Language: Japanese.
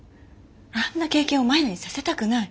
あんな経験をマヤにさせたくない。